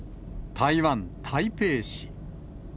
台湾・台北市。